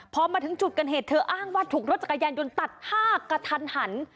พอมาถึงจุดเกิดเหตุเธออ้างว่าถูกรถจักรยานยนต์ตัดห้ากระทันหัน